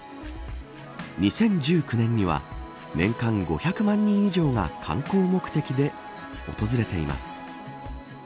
２０１９年には年間５００万人以上が観光目的で訪れています。